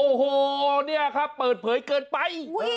โอ้โหเนี่ยครับเปิดเผยเกินไป